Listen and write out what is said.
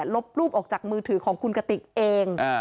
ลบรูปออกจากมือถือของคุณกติกเอง